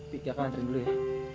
pi aku nantuin dulu ya